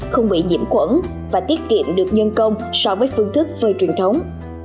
không bị nhiễm quẩn và tiết kiệm được nhân công so với phương thức phơi truyền thống